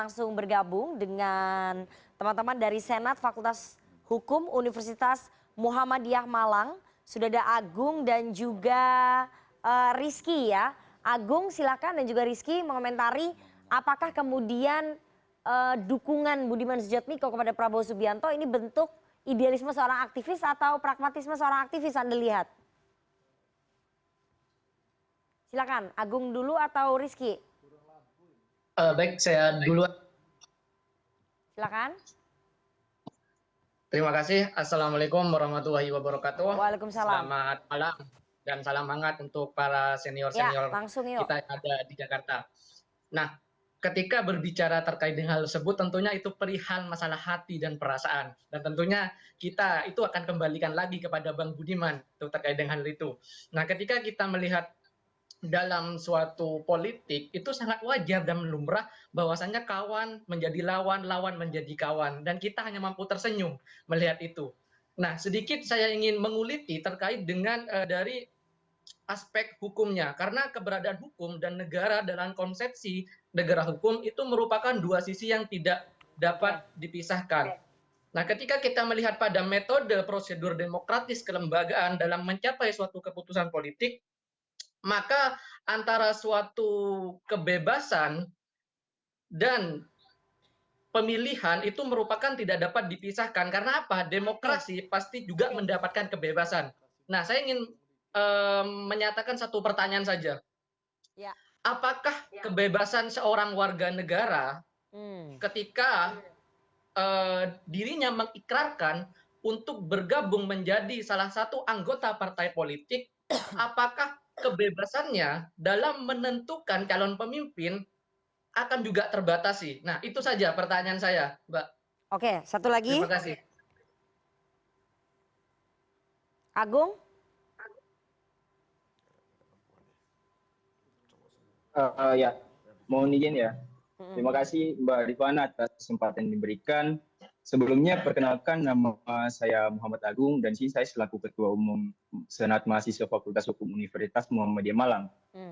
sebelumnya perkenalkan nama saya muhammad agung dan saya selaku ketua umum senat mahasiswa fakultas hukum universitas muhammadiyah malang